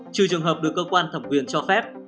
trừ trường hợp được cơ quan thẩm quyền cho phép